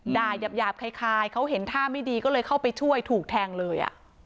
หยาบคล้ายเขาเห็นท่าไม่ดีก็เลยเข้าไปช่วยถูกแทงเลย